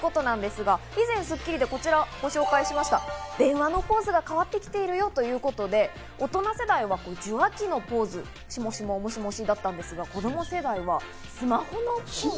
ということですが以前、こちら『スッキリ』でご紹介しました、電話のポーズが変わってきているよということで、大人の世代は受話器のポーズ、「もしもし」だったんですが、子供世代はスマホのポーズ。